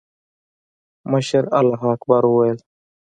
مشر الله اکبر وويل.